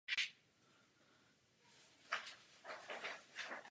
Ve skutečnosti právě tohoto jsme chtěli společně dosáhnout.